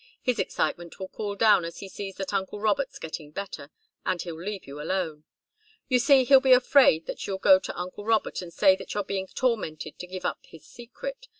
His excitement will cool down as he sees that uncle Robert's getting better, and he'll leave you alone. You see, he'll be afraid that you'll go to uncle Robert and say that you're being tormented to give up his secret.